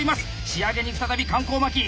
仕上げに再び環行巻き。